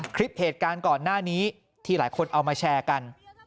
คลิปเหตุการณ์ก่อนหน้านี้ที่หลายคนเอามาแชร์กัน